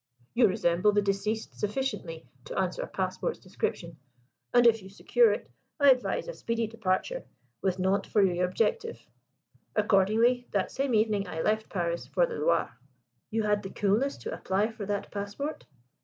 You resemble the deceased sufficiently to answer a passport's description: and if you secure it, I advise a speedy departure, with Nantes for your objective.' Accordingly, that same evening I left Paris for the Loire." "You had the coolness to apply for that passport?"